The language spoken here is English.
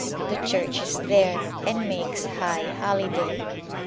the Church is there, and makes high holiday.